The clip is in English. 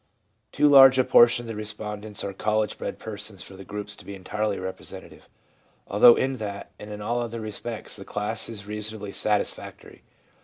Too large a portion of the respondents are college bred persons for the groups to be entirely representative ; although in that and in all other respects the class is reasonably satisfactory.